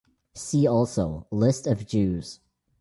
"See also": List of Jews.